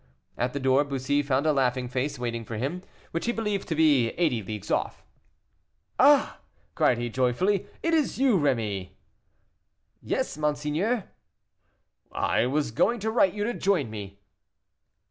At the door Bussy found a laughing face waiting for him, which he believed to be eighty leagues off. "Ah," cried he joyfully, "it is you, Rémy." "Yes monsieur." "I was going to write to you to join me."